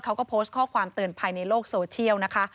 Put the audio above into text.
เขาก็โพสต์ข้อความเตือนภัยในโลกโซเชียลนะคะ